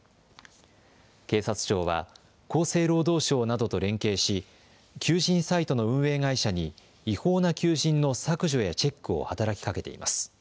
警察庁は、厚生労働省などと連携し、求人サイトの運営会社に違法な求人の削除やチェックを働きかけています。